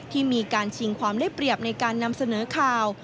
ที่มีการชิงความได้เปรียบในการนำเสนอข่าว